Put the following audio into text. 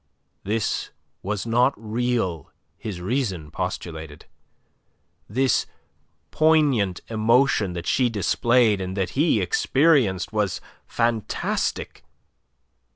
This was not real, his reason postulated; this poignant emotion that she displayed and that he experienced was fantastic.